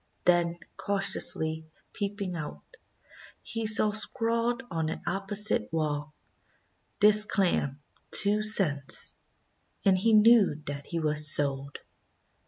Then, cautiously peeping out, he saw scrawled on an opposite wall: 'This clam, two cents,' and he knew that he was sold.